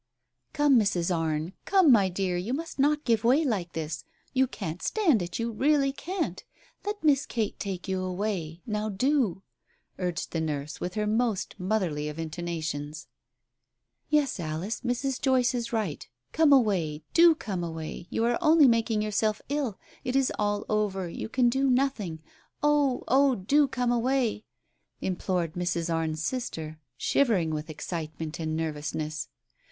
"Come, Mrs. Arne — come, my dear, you must not give way like this ! You can't stand it — you really can't ! Let Miss Kate take you away — now do !" urged the nurse, with her most motherly of intonations. "Yes, Alice, Mrs. Joyce is right. Come away — do come away — you are only making yourself ill. It is all over ; you can do nothing ! Oh, oh, do come away !" implored Mrs. Arne's sister, shivering with excitement and nervousness.